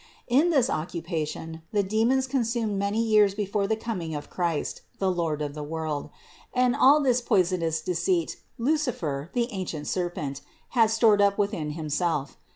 In this occupation the demons consumed many years before the coming of Christ, the Lord of the world; and all this poisonous deceit Lucifer, the ancient serpent, had stored up within himself.